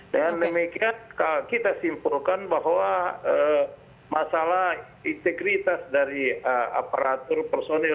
dan demikian kita simpulkan bahwa masalah integritas dari aparatur personil